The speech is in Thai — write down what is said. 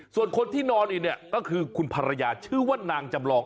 ส่วนคนที่นอนอีกเนี่ยก็คือคุณภรรยาชื่อว่านางจำลอง